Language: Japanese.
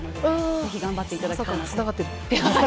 ぜひ頑張っていただきたいなと。